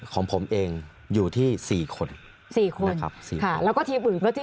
สามารถรู้ได้เลยเหรอคะ